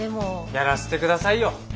やらせて下さいよ。